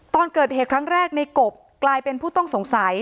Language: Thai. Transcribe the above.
ตอนเกิดเหตุครั้งแรกในกบกลายเป็นผู้ต้องสงสัย